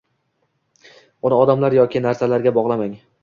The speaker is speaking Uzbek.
Uni odamlar yoki narsalarga bog’lamang